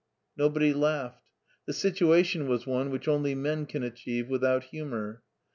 Nobody laughed. The situation was one which only men can achieve without humor.